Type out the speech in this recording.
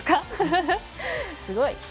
すごい！